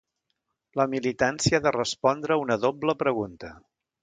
La militància ha de respondre a una doble pregunta.